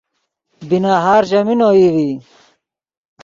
بی نہار چیمین اوئی ڤی